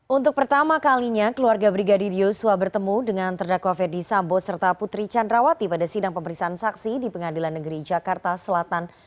untuk pertama kalinya keluarga brigadir yosua bertemu dengan terdakwa ferdi sambo serta putri candrawati pada sidang pemeriksaan saksi di pengadilan negeri jakarta selatan